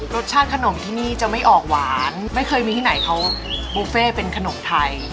รสชาติขนมที่นี่จะไม่ออกหวานไม่เคยมีที่ไหนเขาบุฟเฟ่เป็นขนมไทย